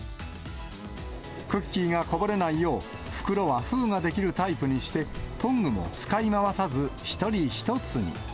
クッキーがこぼれないよう、袋は封ができるタイプにして、トングも使い回さず、１人１つに。